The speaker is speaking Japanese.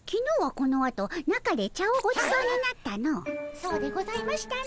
そうでございましたね。